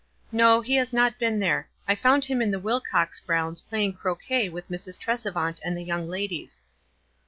"No, he has not been there. I found him in the Wilcox grounds, playing croquet with Mrs. Trescvant and the young ladies."